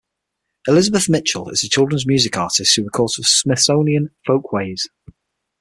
Elizabeth Mitchell is a children's music artist who records for Smithsonian Folkways.